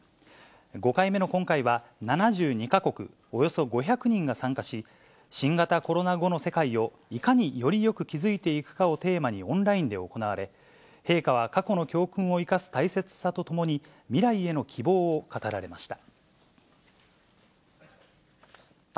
５回目の今回は、７２か国、およそ５００人が参加し、新型コロナ後の世界をいかによりよく築いていくかをテーマにオンラインで行われ、陛下は過去の教訓を生かす大切さとともに、未来への希望を語られました。